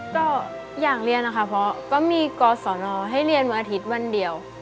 ก็อยากเรียนนะคะเพราะก็มีกศนให้เรียนวันอาทิตย์วันเดียว